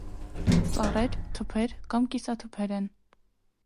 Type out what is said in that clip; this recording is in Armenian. Ծառեր, թփեր կամ կիսաթփեր են։